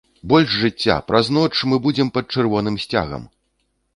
Больш жыцця, праз ноч мы будзем пад чырвоным сцягам!